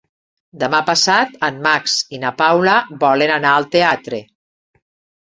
Demà passat en Max i na Paula volen anar al teatre.